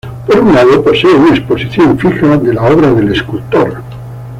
Por un lado posee una exposición fija de la obra del escultor.